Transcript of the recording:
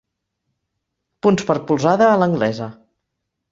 Punts per polzada a l'anglesa.